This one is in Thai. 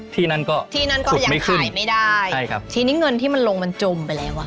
ทีนั้นก็สุดไม่ขึ้นใช่ครับทีนี้เงินที่มันลงมันจมไปแล้ว